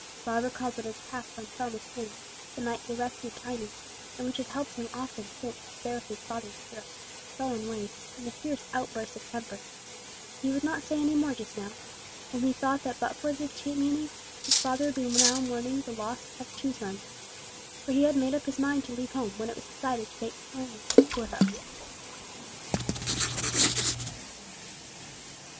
Bob recalled what had passed on Fellness Sands the night they rescued Tiny, and which had helped him often since to bear with his father's gruff, sullen ways and fierce outbursts of temper; but he would not say any more just now, only he thought that but for that tea meeting his father would now be mourning the loss of two sons; for he had made up his mind to leave home when it was decided to take Tiny to the poorhouse.